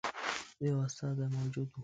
یو استازی موجود وو.